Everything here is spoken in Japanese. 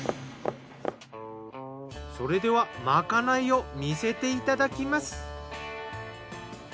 それではまかないを見せていただきます。